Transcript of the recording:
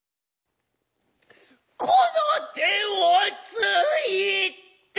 「この手をついて」。